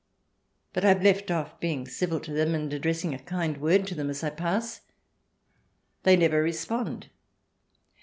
But I have left off being civil to them and addressing a kind word to them as I pass. They never respond.